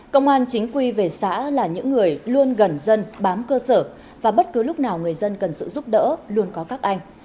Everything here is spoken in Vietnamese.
công an chính quy về xã là những người luôn gần dân bám cơ sở và bất cứ lúc nào người dân cần sự giúp đỡ luôn có các anh